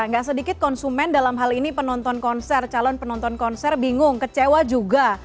gak sedikit konsumen dalam hal ini penonton konser calon penonton konser bingung kecewa juga